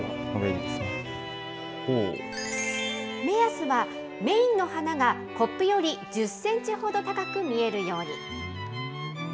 目安はメインの花がコップより１０センチほど高く見えるように。